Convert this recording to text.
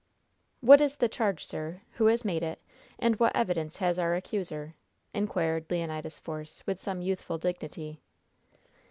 "What is the charge, sir, who has made it, and what evidence has our accuser?" inquired Leonidas Force, with some youthful dignity.